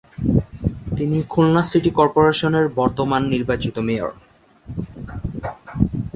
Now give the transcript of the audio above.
তিনি খুলনা সিটি কর্পোরেশনের বর্তমান নির্বাচিত মেয়র।